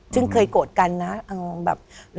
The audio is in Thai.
ซึ่งเคยโกรธกันนะ